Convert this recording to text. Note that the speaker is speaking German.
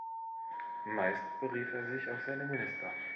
Meist berief er sich auf seine Minister.